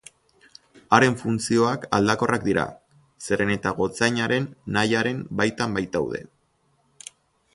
Haren funtzioak aldakorrak dira, zeren eta gotzainaren nahiaren baitan baitaude.